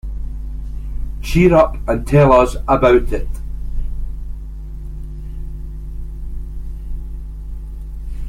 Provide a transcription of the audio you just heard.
Cheer up, and tell us about it!